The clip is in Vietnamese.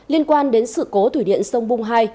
liên quan đến sự cố thủy điện sông bung hai